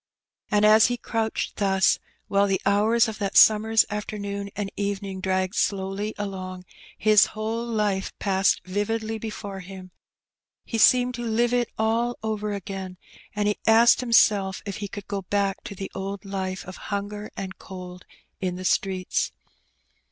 And as he crouched thus, while the hours of that summer's afternoon and evening dragged slowly along, his whole life passed vividly before him, he seemed to live it all over again, and he asked himself if he could go back to the old hfe of hunger and cold in the streets.